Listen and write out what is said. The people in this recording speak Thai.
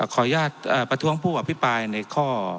ขออนุญาตประท้วงผู้อภิปรายในข้อ